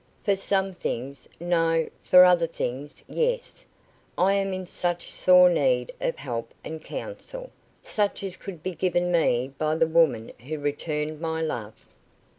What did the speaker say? "For some things no, for other things yes. I am in such sore need of help and counsel, such as could be given me by the woman who returned my love.